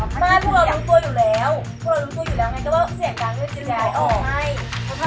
ไม่เพราะถ้าเราพูดว่าเออเราเสียงดังปุ๊บมันก็มันก็ไม่ใช่ถูกไหม